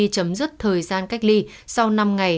chấm dứt thời gian cách ly sau năm ngày